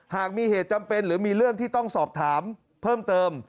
หากมีเหตุจำเป็นหรือมีเรื่องที่ต้องสอบถามเพิ่มเติม